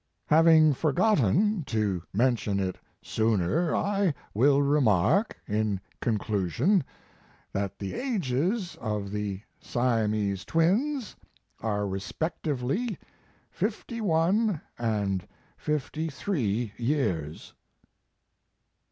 * Having forgotten to mention it sooner, I will remark, in conclusion, that the ages of the Siamese Twins " are respec tively fifty one and fifty three years."